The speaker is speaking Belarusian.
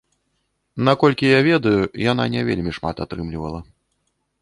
Наколькі я ведаю, яна не вельмі шмат атрымлівала.